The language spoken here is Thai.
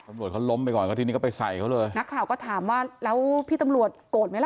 ตำรวจเขาล้มไปก่อนก็ทีนี้ก็ไปใส่เขาเลยนักข่าวก็ถามว่าแล้วพี่ตำรวจโกรธไหมล่ะ